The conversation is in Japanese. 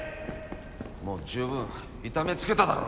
もう十分痛めつけただろ。